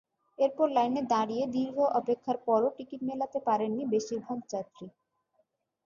এরপর লাইনে দাঁড়িয়ে দীর্ঘ অপেক্ষার পরও টিকিট মেলাতে পারেননি বেশির ভাগ যাত্রী।